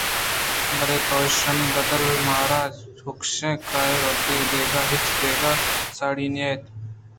بلے تو ایشانی بدل ءَ مارا حُشکیں کاہ ءَ ابید دگہ ہچ دِئیگ ءَ ساڑی نہ اِت